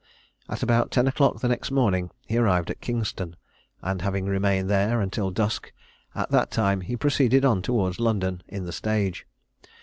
At about ten o'clock the next morning he arrived at Kingston, and having remained there until dusk, at that time he proceeded on towards London in the stage.